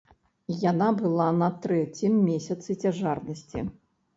Яна была на трэцім месяцы цяжарнасці.